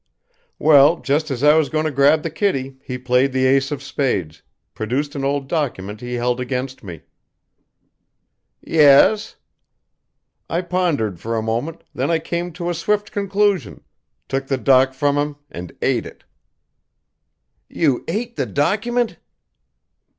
"Well, just as I was going to grab the kitty he played the ace of spades, produced an old document he held against me." "Yes?" "I pondered for a moment then I came to a swift conclusion took the doc from him and ate it." "You ate the document?"